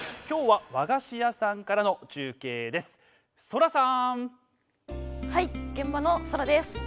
今日は和菓子屋さんからの中継です。